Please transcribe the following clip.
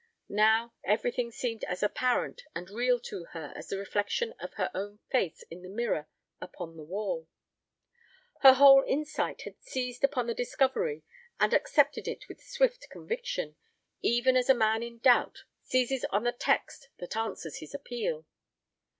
Now, everything seemed as apparent and real to her as the reflection of her own face in the mirror upon the wall. Her whole insight had seized upon the discovery and accepted it with swift conviction, even as a man in doubt and trouble seizes on the text that answers his appeal.